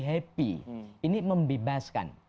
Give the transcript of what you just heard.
happy ini membebaskan